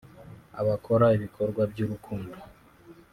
abakora ibikorwa by’urukundo